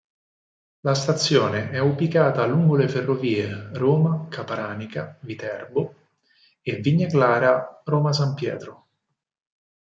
La stazione è ubicata lungo le ferrovie Roma-Capranica-Viterbo e Vigna Clara-Roma San Pietro.